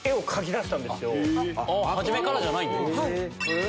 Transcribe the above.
初めからじゃないんだ。